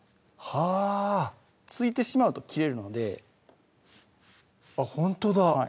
はぁ突いてしまうと切れるのであっほんとだ